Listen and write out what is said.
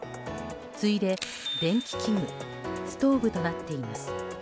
次いで電気器具、ストーブとなっています。